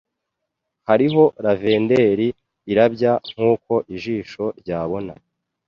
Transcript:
Hariho lavender irabya nkuko ijisho ryabona.